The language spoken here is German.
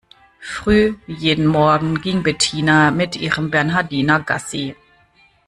Früh wie jeden Morgen ging Bettina mit ihrem Bernhardiner Gassi.